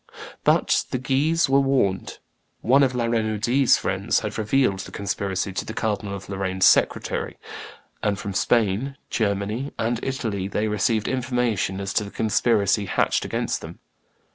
But the Guises were warned; one of La Renaudie's friends had revealed the conspiracy to the Cardinal of Lorraine's secretary; and from Spain, Germany, and Italy they received information as to the conspiracy hatched against them.